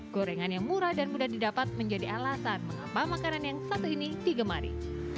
gorengan yang murah dan mudah didapat menjadi alasan mengapa makanan yang satu ini digemari